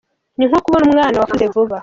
Ni nko kubona umwana wakuze vuba.